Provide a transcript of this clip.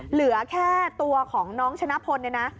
เหลือแค่ตัวของน้องชนะพลเนี่ยนะ